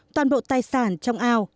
toàn bộ tài sản trong ao